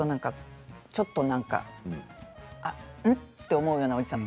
ちょっと、うん？と思うようなおじさん。